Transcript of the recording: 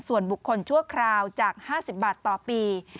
ส่วนบุคคลชั่วคราวจาก๕๐บาทต่อปี